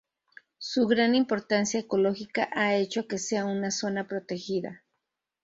Su gran importancia ecológica ha hecho que sea una zona protegida.